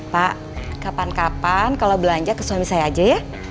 pak kapan kapan kalau belanja ke suami saya aja ya